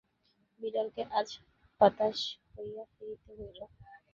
বিড়ালকে আজ হতাশ হইয়া ফিরিতে হইল।